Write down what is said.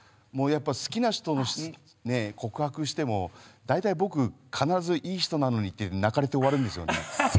好きな人に告白しても大体、僕、必ず「いい人なのに」って泣かれて終わるんですよね。